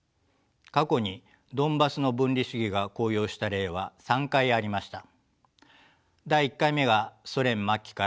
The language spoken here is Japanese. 過去にドンバスの分離主義が高揚した例は３回ありました。